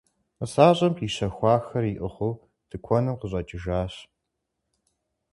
Нысащӏэм къищэхуахэр иӏыгъыу тыкуэным къыщӏэкӏыжащ.